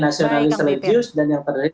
nasionalis religius dan yang terbaik